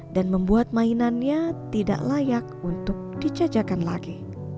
dan membuat mainannya tidak layak untuk dicajakan lagi